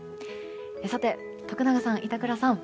さて徳永さん、板倉さん